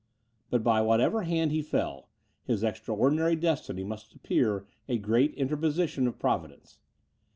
But by whatever hand he fell, his extraordinary destiny must appear a great interposition of Providence.